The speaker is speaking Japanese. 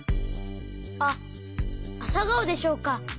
あっあさがおでしょうか。